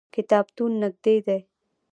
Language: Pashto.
کتابتون نږدې دی